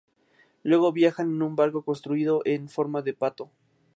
Luego viajan en un barco construido en forma de pato.